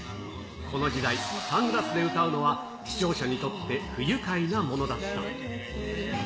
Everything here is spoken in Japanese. この時代、サングラスで歌うのは視聴者にとって不愉快なものだった。